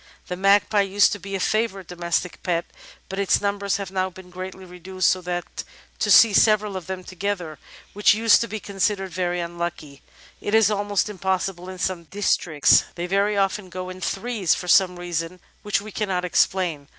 The Mag pie used to be a favourite domestic pet, but its numbers have now been greatly reduced, so that to see several of them together, which used to be considered very unlucky, is almost impossible in some districts. They very often go in threes, for some reason which we cannot explain.